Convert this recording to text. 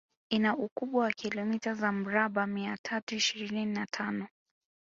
Ina ukubwa wa kilometa za mraba mia tatu ishirini na tano